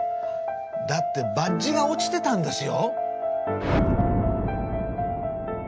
だってバッジが落ちてたんですよ？